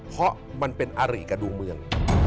เพราะมันเป็นอารีกับดวงเมือง